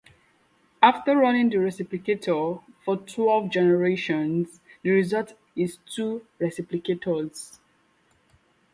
After running the replicator for twelve generations, the result is two replicators.